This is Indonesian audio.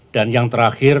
dan yang terakhir